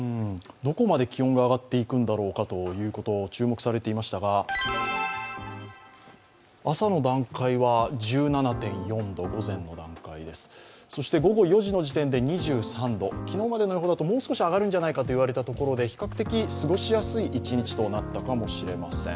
どこまで気温が上がっていくんだろうということが注目されていましたが、朝の段階は１７．４度、午前の段階です午後４時の時点で２３度昨日までの予報だと、もう少し上がるんじゃないかと言われていたところで、比較的過ごしやすい一日となったかもしれません。